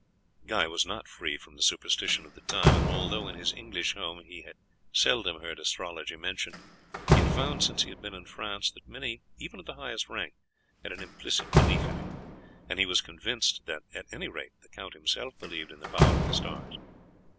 Guy was not free from the superstition of the time, and although in his English home he had seldom heard astrology mentioned, he had found since he had been in France that many even of the highest rank had an implicit belief in it, and he was convinced that at any rate the count himself believed in the power of the stars.